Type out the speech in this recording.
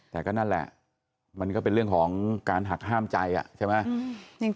แต่ก็นั่นแหละมันก็เป็นเรื่องของการหักห้ามใจใช่ไหม